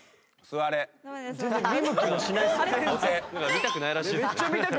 見たくないらしい。